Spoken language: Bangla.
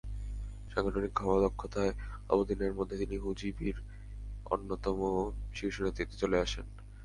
সাংগঠনিক দক্ষতায় অল্প দিনের মধ্যে তিনি হুজি-বির অন্যতম শীর্ষ নেতৃত্বে চলে আসেন।